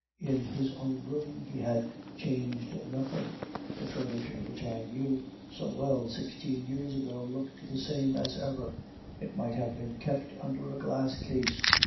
In his own room he had changed nothing; the furniture which I knew so well sixteen years ago looked the same as ever; it might have been kept under a glass case.